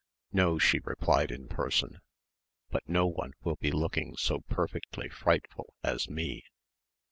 "No," she replied in person, "but no one will be looking so perfectly frightful as me."